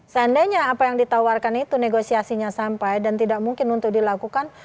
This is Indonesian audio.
seandainya apa yang ditawarkan itu negosiasinya sampai dan tidak mungkin untuk dilakukan